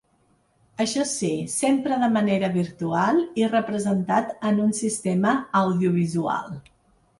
Això sí, sempre de manera virtual i representat en un sistema audiovisual.